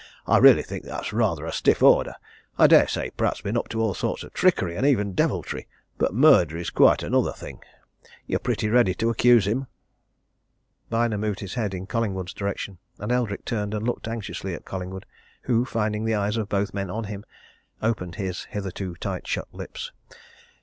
I really, that's rather a stiff order! I dare say Pratt's been up to all sorts of trickery, and even deviltry but murder is quite another thing. You're pretty ready to accuse him!" Byner moved his head in Collingwood's direction and Eldrick turned and looked anxiously at Collingwood, who, finding the eyes of both men on him, opened his hitherto tight shut lips.